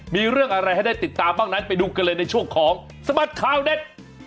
มีเรื่องอะไรให้ได้ติดตามบ้างนั้นไปดูกันเลยในช่วงของสบัดข่าวเด็ด